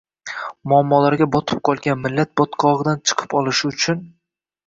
Muammolarga botib qolgan millat botqog‘idan chiqib olishi uchun